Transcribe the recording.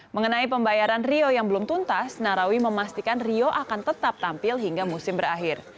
mengenai pembayaran rio yang belum tuntas narawi memastikan rio akan tetap tampil hingga musim berakhir